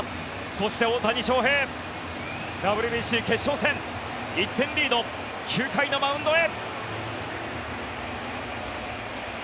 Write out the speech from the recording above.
そして、大谷翔平ＷＢＣ決勝戦１点リード、９回のマウンドへ！